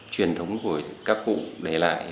truyền thống của các cụ để lại